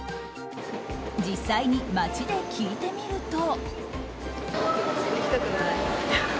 実際に街で聞いてみると。